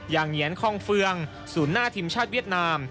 เหงียนคองเฟืองศูนย์หน้าทีมชาติเวียดนาม